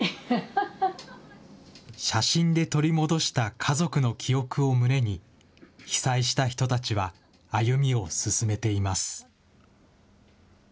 写真で取り戻した家族の記憶を胸に、被災した人たちは歩みを進めています。